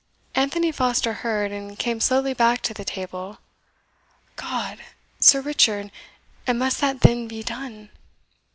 Anthony Foster heard, and came slowly back to the table. "God! Sir Richard, and must that then be done?"